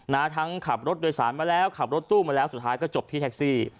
ทั้งขับรถโดยสารมาแล้วขับรถตู้มาแล้วสุดท้ายก็จบที่แท็กซี่